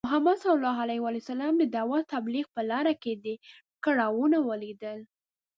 محمد ص د دعوت او تبلیغ په لاره کې ډی کړاوونه ولیدل .